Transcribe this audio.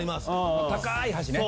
高い橋ね。